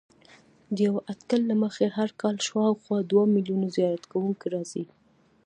د یوه اټکل له مخې هر کال شاوخوا دوه میلیونه زیارت کوونکي راځي.